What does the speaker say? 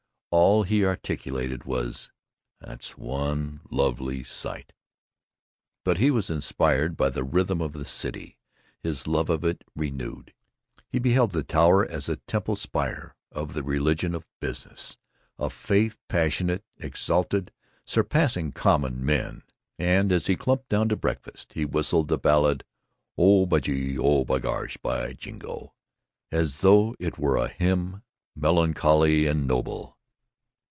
All he articulated was "That's one lovely sight!" but he was inspired by the rhythm of the city; his love of it renewed. He beheld the tower as a temple spire of the religion of business, a faith passionate, exalted, surpassing common men; and as he clumped down to breakfast he whistled the ballad "Oh, by gee, by gosh, by jingo" as though it were a hymn melancholy and noble.